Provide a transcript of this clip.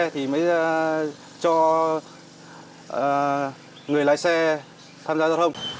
thì mới cho người lái xe tham gia giao thông